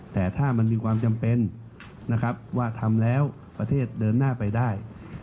แต่ถ้ามันมีความจำเป็นนะครับว่าทำแล้วประเทศเดินหน้าไปได้